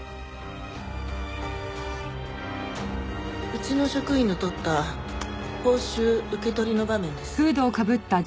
うちの職員の撮った報酬受け取りの場面です。